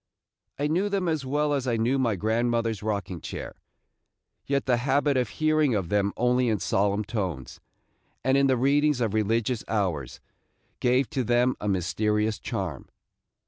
I knew them as well as I knew my grandmother's rocking chair, yet the habit of hearing of them only in solemn tones, and in the readings of religious hours, gave to them a mysterious charm.